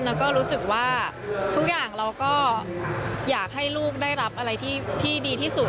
แล้วก็รู้สึกว่าทุกอย่างเราก็อยากให้ลูกได้รับอะไรที่ดีที่สุด